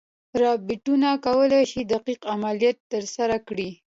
روبوټونه کولی شي دقیق عملیات ترسره کړي.